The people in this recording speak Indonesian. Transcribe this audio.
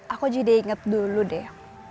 aku jadi inget dulu deh